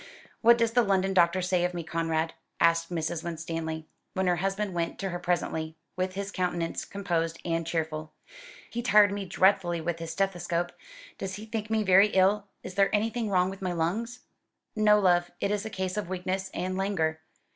"What does the London doctor say of me, Conrad?" asked Mrs. Winstanley, when her husband went to her presently, with his countenance composed and cheerful. "He tired me dreadfully with his stethoscope. Does he think me very ill? Is there anything wrong with my lungs?" "No, love. It is a case of weakness and languor.